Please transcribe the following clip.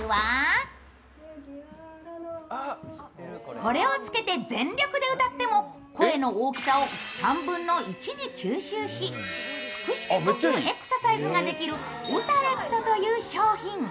これをつけて全力で歌っても声の大きさを３分の１に吸収し腹式呼吸エクササイズができるウタエットという商品。